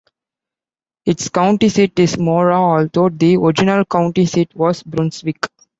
Its county seat is Mora, although the original county seat was Brunswick.